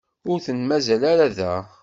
Ur ten-mazal ara da.